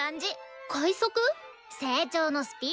成長のスピードだよ！